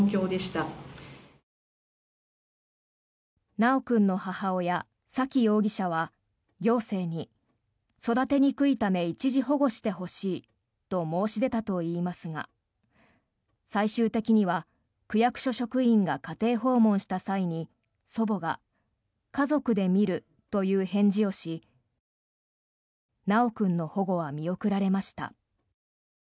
修君の母親・沙喜容疑者は行政に育てにくいため一時保護してほしいと申し出たといいますが最終的には区役所職員が家庭訪問した際に祖母が家族で見るという返事をし修君の保護は見送られました。